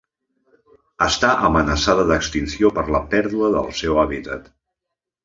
Està amenaçada d'extinció per la pèrdua del seu hàbitat.